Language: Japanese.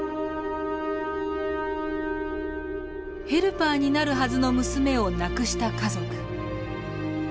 ヘルパーになるはずの娘を亡くした家族。